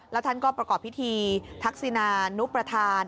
แล้วท่านก็ประกอบพิธีทักษินานุประธาน